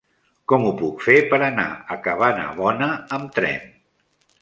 Com ho puc fer per anar a Cabanabona amb tren?